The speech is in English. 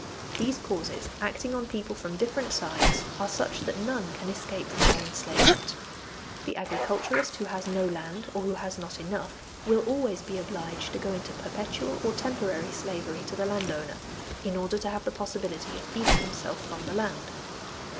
These causes, acting on people from different sides, are such that none can escape from their enslavement. The agriculturist who has no land, or who has not enough, will always be obliged to go into perpetual or temporary slavery to the landowner, in order to have the possibility of feeding himself from the land.